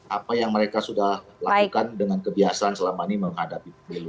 apa yang mereka sudah lakukan dengan kebiasaan selama ini menghadapi pemilu